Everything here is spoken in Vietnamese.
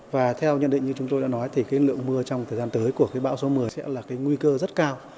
và theo nhận định như chúng tôi đã nói thì lượng mưa trong thời gian tới của bão số một mươi sẽ là nguy cơ rất cao